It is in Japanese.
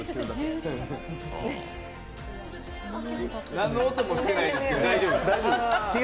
何の音もしてないですけど大丈夫ですか？